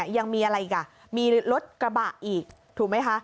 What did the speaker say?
ยังมีอะไรอีกอ่ะมีรถกระบะอีกถูกไหมคะ